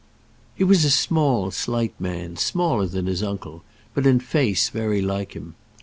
He was a small slight man, smaller than his uncle, but in face very like him.